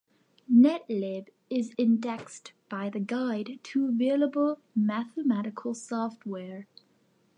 Netlib is indexed by the Guide to Available Mathematical Software.